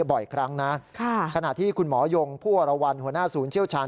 บ่อยครั้งนะขณะที่คุณหมอยงผู้อรวรรณหัวหน้าศูนย์เชี่ยวชาญ